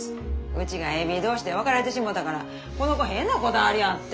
うちがＡＢ同士で別れてしもたからこの子変なこだわりあって。